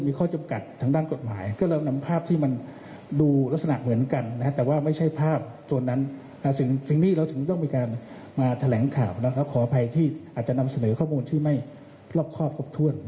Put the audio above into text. มีการนำภาพข่าวจากไทยแรงต่างและอาจจะนำเสนอข้อมูลที่ไม่พรอบครอบครอบทวน